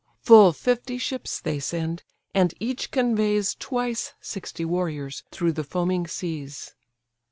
Full fifty ships they send, and each conveys Twice sixty warriors through the foaming seas.